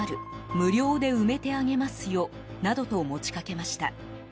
無料で埋めてあげますよなどと持ちかけました。